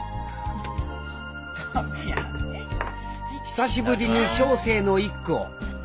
久しぶりに小生の一句を。